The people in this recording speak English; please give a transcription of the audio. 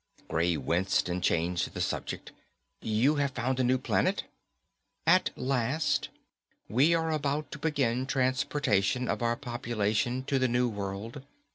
_ Gray winced and changed the subject. "You have found your new planet?" _At last. We are about to begin transportation of our population to the new world.